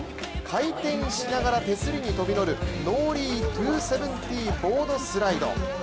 回転しながら手すりに飛び乗るノーリー２７０ボードスライド。